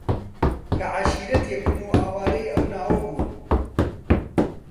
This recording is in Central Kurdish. کە عەشیرەتێکن و ئاوارەی ئەو ناوە بوون